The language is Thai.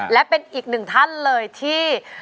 และเป็นอีกหนึ่งท่านเลยที่